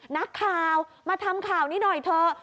นักข่าวมาทำข่าวนี้หน่อยเถอะ